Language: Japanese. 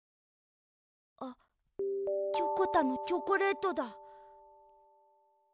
あっチョコタのチョコレートだ。